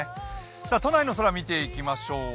都内の空見ていきましょう。